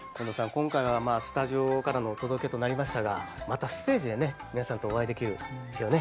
今回はスタジオからのお届けとなりましたがまたステージでね皆さんとお会いできる日をね